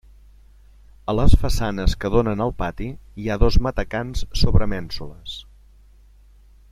A les façanes que donen al pati hi ha dos matacans sobre mènsules.